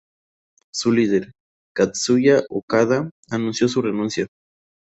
Su líder, Katsuya Okada, anunció su renuncia.